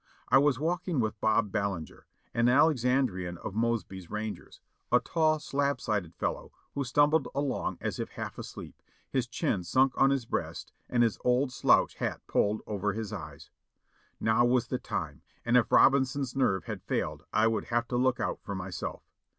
I was walking with Bob Ballenger, an Alexandrian of Mosby's Rangers, a tall, slab sided fellow, who stumbled along as if half asleep, his chin snnk on his breast and his old slouch hat pulled over his eyes. Now was the time, and if Robinson's nerve had failed I would have to look out for myself.